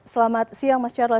selamat siang mas charles